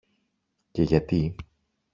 Και γιατί;